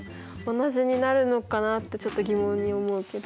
同じになるのかなってちょっと疑問に思うけど。